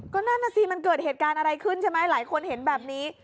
ก็นั่นน่ะสิมันเกิดเหตุการณ์อะไรขึ้นใช่ไหมหลายคนเห็นแบบนี้